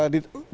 di komisi tiga